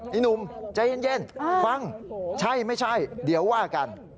ไอ้หนุ่มใจเย็นฟังใช่ไม่ใช่เดี๋ยวว่ากัน